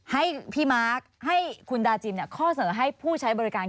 ให้พี่มาร์คให้คุณดาจิมข้อเสนอให้ผู้ใช้บริการ